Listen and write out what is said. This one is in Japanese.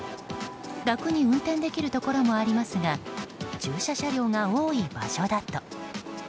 楽に運転できるところもありますが駐車車両が多い場所だと。